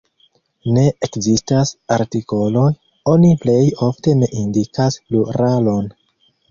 Ne ekzistas artikoloj; oni plej ofte ne indikas pluralon.